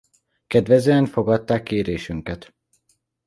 Kedvezően fogadták kérésünket.